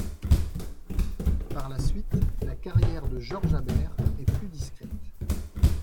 Par la suite, la carrière de Georges Aber est plus discrète.